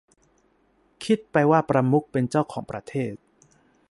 คิดไปว่าประมุขเป็นเจ้าของประเทศ